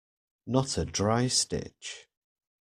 Not a dry stitch.